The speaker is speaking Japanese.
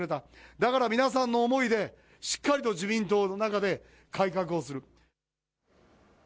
だから皆さんの思いで、しっかりと自民党の中で改革をする。